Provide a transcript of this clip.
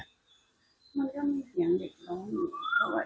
มันก็ไม่เสียงเด็กน้อง